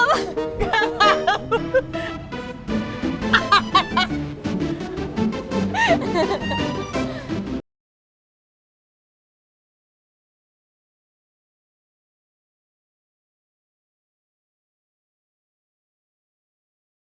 aku kejoget ah